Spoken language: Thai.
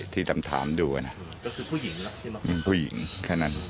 ที่ทำถามดูนะคือผู้หญิงผู้หญิงแค่นั้น